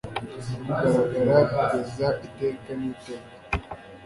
kugaragara kugeza iteka n'iteka.